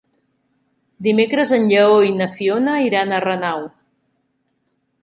Dimecres en Lleó i na Fiona iran a Renau.